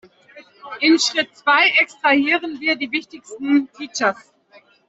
In Schritt zwei extrahieren wir die wichtigsten Features.